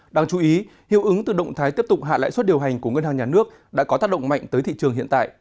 đáng chú ý hiệu ứng từ động thái tiếp tục hạ lãi suất điều hành của ngân hàng nhà nước đã có tác động mạnh tới thị trường hiện tại